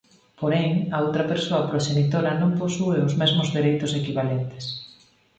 Porén, a outra persoa proxenitora non posúe os mesmos dereitos equivalentes.